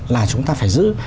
là chúng ta phải giữ